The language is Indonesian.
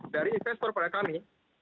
dari investor pada kami